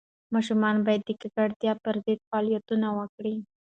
ماشومان باید د ککړتیا پر ضد فعالیتونه وکړي.